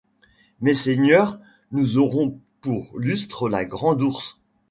Messeigneurs, nous aurons pour lustre la grande Ourse.